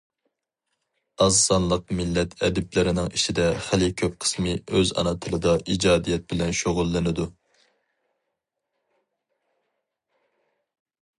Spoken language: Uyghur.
ئاز سانلىق مىللەت ئەدىبلىرىنىڭ ئىچىدە خېلى كۆپ قىسمى ئۆز ئانا تىلىدا ئىجادىيەت بىلەن شۇغۇللىنىدۇ.